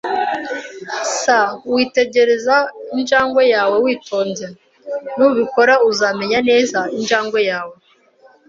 [S] Witegereze injangwe yawe witonze. Nubikora, uzamenya neza injangwe yawe.